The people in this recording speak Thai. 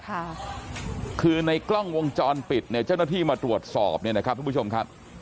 ค่ะคือในกล้องวงจรปิดเนี่ยเจ้าหน้าที่มาตรวจสอบเนี่ยนะครับทุกผู้ชมครับ